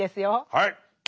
はい。